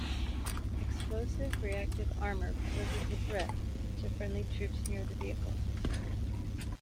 Explosive reactive armour poses a threat to friendly troops near the vehicle.